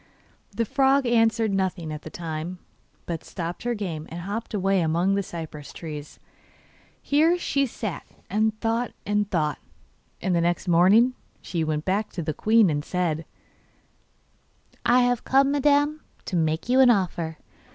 The frog answered nothing at the time, but stopped her game and hopped away among the cypress trees. Here she sat and thought and thought, and the next morning she went back to the queen and said: 'I have come, madam, to make you an offer.